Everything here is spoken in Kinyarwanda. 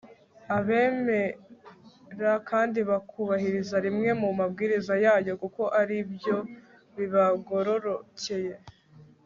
abemera kandi bakubahiriza rimwe mu mabwiriza yayo kuko ari byo bibagororokeye